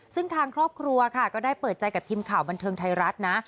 ซึ่งทางครอบครัวค่ะก็ได้เปิดใจกับทีมข่าวบันเทิงไทยรัฐนะ